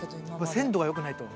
鮮度がよくないと。